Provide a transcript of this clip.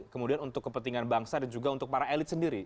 kemudian untuk kepentingan bangsa dan juga untuk para elit sendiri